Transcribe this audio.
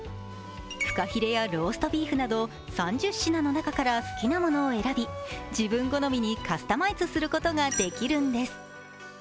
フカヒレやローストビーフなど３０品の中から好きなものを選び、自分好みにカスタマイズすることができるんです。